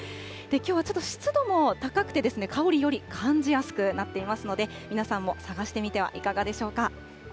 きょうはちょっと湿度も高くて、香りより感じやすくなっていますので、皆さんも探してみてはいかがでしょうか。